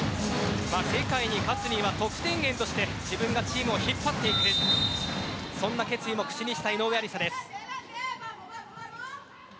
世界に勝つには得点源として自分がチームを引っ張っていくそんな決意も口にした井上愛里沙です。